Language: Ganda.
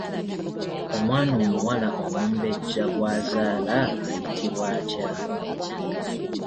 Omwana omuwala omumbejja gw’azaala ayitibwa atya?